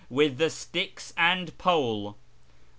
The sticks and pole," i.